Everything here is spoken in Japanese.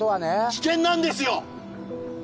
危険なんですよ！